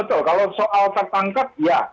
betul kalau soal tertangkap ya